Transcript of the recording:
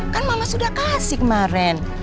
kan mama sudah kasih kemarin